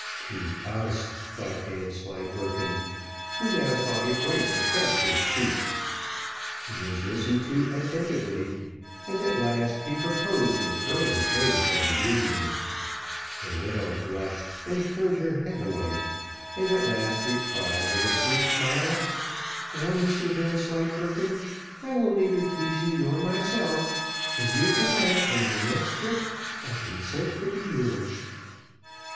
"To us!" thought Vanslyperken, who now thought it right to press his suit. He was listened to attentively, and at last he proposed an early day for the union. The widow blushed, and turned her head away, and at last replied, with a sweet smile, "Well, Mr Vanslyperken, I will neither tease you nor myself when you come back from your next trip, I consent to be yours."